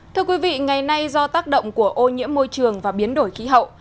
thưa quý vị ngày nay do tác động của ô nhiễm môi trường và biến đổi khí hậu